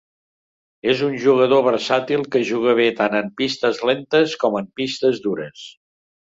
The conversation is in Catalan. És un jugador versàtil que juga bé tant en pistes lentes com en pistes dures.